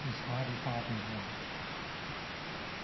His hardy partner bore. VI.